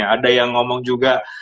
ada yang ngomong juga